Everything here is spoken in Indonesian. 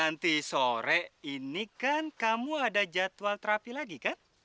nanti sore ini kan kamu ada jadwal terapi lagi kan